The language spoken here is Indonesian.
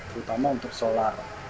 terutama untuk solar